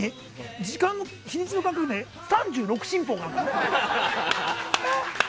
時間の日にちの感覚は３６進法なの？